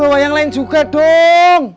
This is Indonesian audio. bawa yang lain juga dong